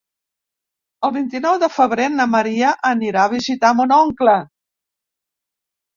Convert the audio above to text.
El vint-i-nou de febrer na Maria anirà a visitar mon oncle.